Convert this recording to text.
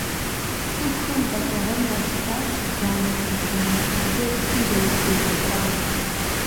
ЦӀыхухэм гъэщӀэгъуэн ящыхъуащ жанр зыбжанэ оркестрым зэрызригъэкӀуар.